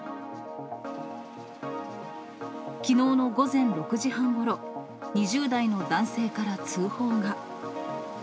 きのうの午前６時半ごろ、２０代の男性から通報が。